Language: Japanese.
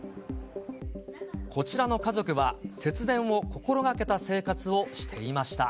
こちらの家族は節電を心がけた生活をしていました。